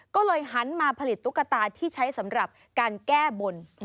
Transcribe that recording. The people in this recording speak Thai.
ก็เลยหันมาผลิตตุ๊กตาที่ใช้สำหรับการแก้บน